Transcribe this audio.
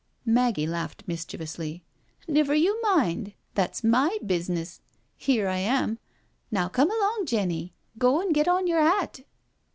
Maggie laughed misdhievously. " Niver you mind, that's my bizness — ^here I am. Now come along, Jenny, go an' get on yer 'at."